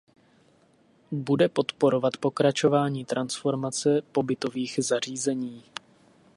Bude podporovat pokračování transformace pobytových zařízení.